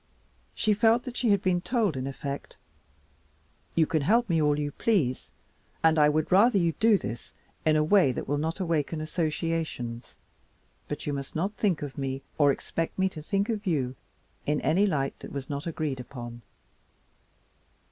She felt that she had been told in effect, "You can help me all you please, and I would rather you would do this in a way that will not awaken associations, but you must not think of me or expect me to think of you in any light that was not agreed upon."